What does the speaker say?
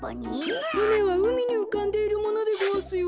ふねはうみにうかんでいるものでごわすよ。